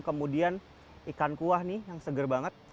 kemudian ikan kuah nih yang seger banget